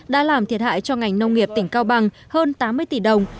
đã làm thiệt hại cho ngành nông nghiệp tỉnh cao bằng hơn tám mươi tỷ đồng